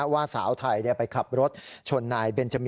ว่าสาวไทยไปขับรถชนนายเบนจามิ